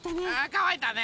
かわいたね！